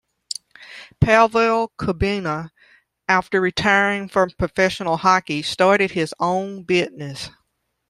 Pavel Kubina after retiring from Professional Hockey started his own business.